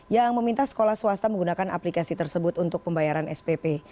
yang meminta sekolah swasta menggunakan aplikasi tersebut untuk pembayaran spp